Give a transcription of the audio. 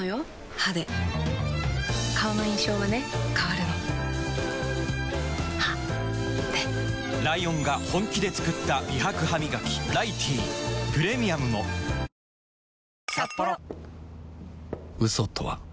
歯で顔の印象はね変わるの歯でライオンが本気で作った美白ハミガキ「ライティー」プレミアムも嘘とは